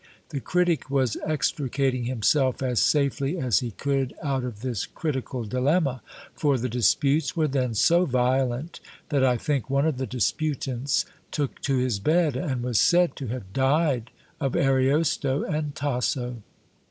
The critic was extricating himself as safely as he could out of this critical dilemma; for the disputes were then so violent, that I think one of the disputants took to his bed, and was said to have died of Ariosto and Tasso.